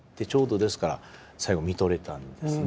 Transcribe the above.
ちょうどですから最期みとれたんですね。